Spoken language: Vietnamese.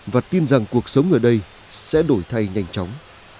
và tin rằng cuộc sống ở đây sẽ đổi thay nhanh chóng